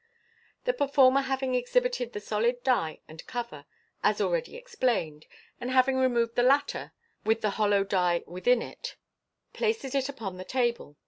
o The performer having exhibited the solid die and cover, as already explained, and having removed the latter (with the hollow die within it), places it upon the table.